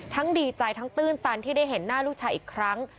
ดีใจทั้งตื้นตันที่ได้เห็นหน้าลูกชายอีกครั้ง